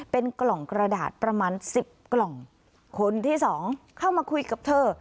เป็นกล่องกระดาษประมาณสิบกล่องคนที่สองเข้ามาคุยกับเธอ